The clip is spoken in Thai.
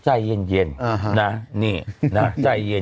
ใจเย็นนะนี่นะใจเย็น